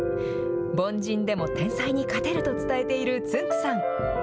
凡人でも天才に勝てると伝えている、つんく♂さん。